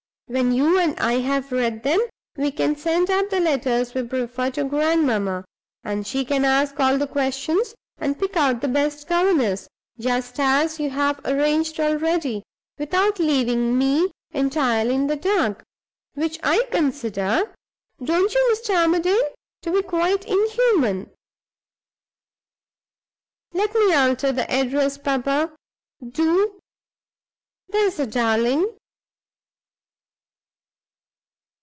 When you and I have read them, we can send up the letters we prefer to grandmamma; and she can ask all the questions, and pick out the best governess, just as you have arranged already, without leaving ME entirely in the dark, which I consider (don't you, Mr. Armadale?) to be quite inhuman. Let me alter the address, papa; do, there's a darling!"